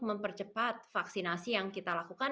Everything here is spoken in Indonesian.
mempercepat vaksinasi yang kita lakukan